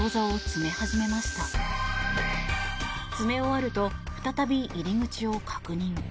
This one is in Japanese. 詰め終わると再び入り口を確認。